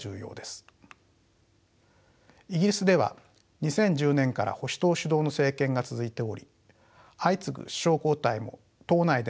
イギリスでは２０１０年から保守党主導の政権が続いており相次ぐ首相交代も党内での政権移動です。